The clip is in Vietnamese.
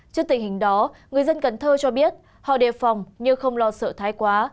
trước tình hình đó người dân cần thơ cho biết họ đề phòng nhưng không lo sợ thái quá